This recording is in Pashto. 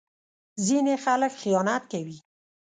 ځینې خلک خیانت کوي.